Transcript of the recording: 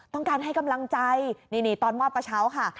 ต้องการให้กำลังใจนี่ตอนมอบกระเช้าค่ะ